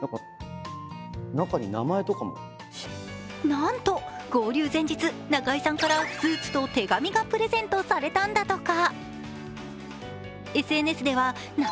なんと合流前日、中居さんからスーツと手紙がプレゼントされたんだとか。